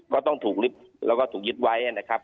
ก็ต้องถูกแล้วก็ถูกยึดไว้นะครับ